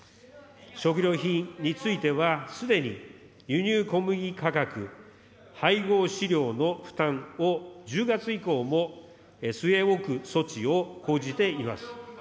食料品については、すでに輸入小麦価格、配合飼料の負担を１０月以降も据え置く措置を講じています。